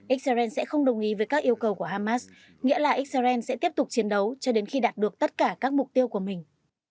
israel sẽ không đồng ý với các yêu cầu của hamas nghĩa là israel sẽ tiếp tục chiến đấu cho đến khi đạt được tất cả các mục tiêu của mình